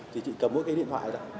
thì chị cầm mỗi cái điện thoại